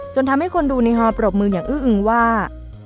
จนทำให้คนดูในฮอปรบมืออย่างอื้ออึงว่า